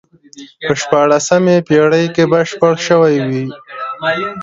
په شپاړسمې پېړۍ کې بشپړ شوی وي.